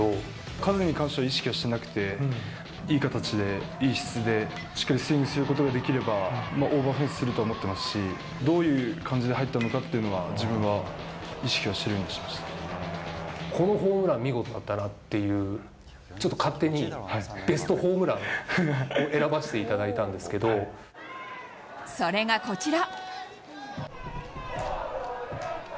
数に関しては意識はしてなくて、いい形で、いい質で、しっかりスイングすることができれば、オーバーフェンスすると思ってますし、どういう感じで入ったのかっていうのは、自分は意識はしてるようこのホームラン、見事だったなっていう、ちょっと勝手に、ベストホームランを選ばせていたそれがこちら。